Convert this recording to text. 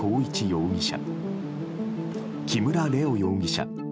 容疑者木村玲雄容疑者